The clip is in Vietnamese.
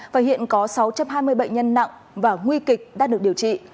và hiện có sáu trăm hai mươi bệnh nhân nặng và nguy kịch đã được điều trị